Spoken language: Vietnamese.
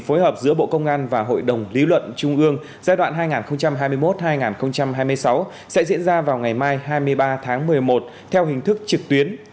phối hợp giữa bộ công an và hội đồng lý luận trung ương giai đoạn hai nghìn hai mươi một hai nghìn hai mươi sáu sẽ diễn ra vào ngày mai hai mươi ba tháng một mươi một theo hình thức trực tuyến